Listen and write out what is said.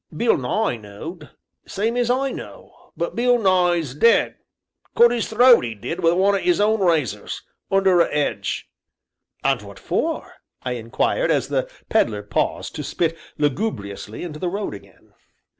Bill Nye knowed, same as I know, but Bill Nye's dead; cut 'is throat, 'e did, wi' one o' 'is own razors under a 'edge." "And what for?" I inquired, as the Pedler paused to spit lugubriously into the road again.